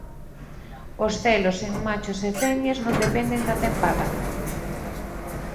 Os celos en machos e femias non dependen da tempada.